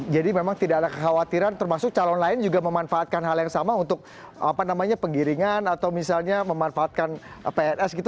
jadi memang tidak ada kekhawatiran termasuk calon lain juga memanfaatkan hal yang sama untuk apa namanya penggiringan atau misalnya memanfaatkan pss gitu